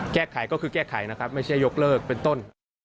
แก้ไขก็คือแก้ไขนะครับไม่ใช่ยกเลิกเป็นต้น